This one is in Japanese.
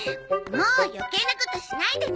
もう余計なことしないでね！